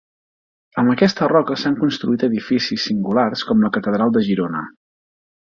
Amb aquesta roca s'han construït edificis singulars com la catedral de Girona.